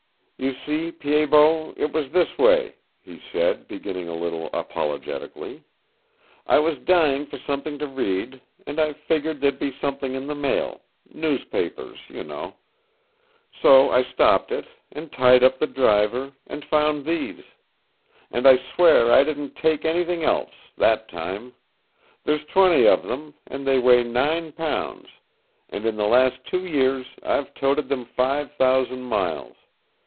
"You see, Pied Bot, it was this way," he said, beginning a little apologetically. "I was dying for something to read, and I figgered there'd be something on the Mail newspapers, you know. So I stopped it, and tied up the driver, and found these. And I swear I didn't take anything else that time. There's twenty of them, and they weigh nine pounds, and in the last two years I've toted them five thousand miles.